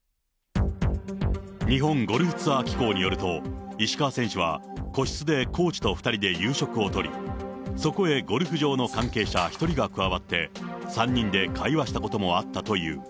日本ゴルフツアー機構によると、石川選手は、個室でコーチと２人で夕食をとり、そこへゴルフ場の関係者１人が加わって、３人で会話したこともあったという。